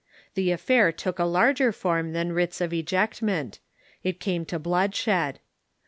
The affair took a larger form than Avrits of ejectment. It came to bloodshed.